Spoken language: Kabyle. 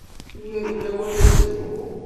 Tura d lawan ad nezhu.